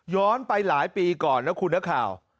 ย้อนไปหลายปีก่อนแล้วคุณหน้าข่าว